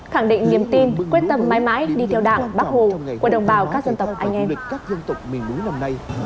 khẳng định niềm tin quyết tâm mãi mãi đi theo đảng bác hồ của đồng bào các dân tộc anh em